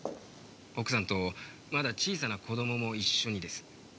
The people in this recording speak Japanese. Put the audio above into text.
奥さんとまだ小さな子供も一緒にです。